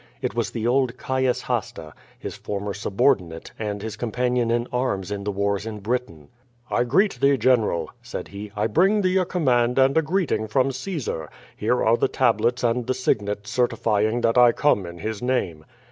It was the old Caius Hasta, his former subordinate, and his companion in arms in the wars in Britain. "I greet thee, General," said he. "I bring thee a command and a greeting from Caesar; here are the tablets and the signet certifying that I come in his nanie.'